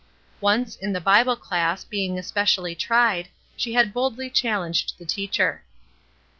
Once, in the Bible class, being especially tried, she had boldly challenged the teacher.